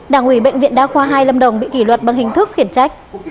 đảng ủy bệnh viện đa khoa hai lâm đồng bị kỷ luật bằng hình thức khiển trách